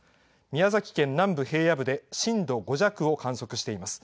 宮崎県南部平野部で震度５弱を観測しています。